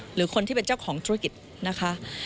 หรือคนที่เป็นเจ้าของธุรกิจนะคะ